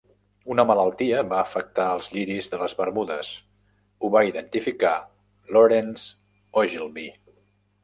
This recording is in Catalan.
Una malaltia va afectar als lliris de les Bermudes: ho va identificar Lawrence Ogilvie.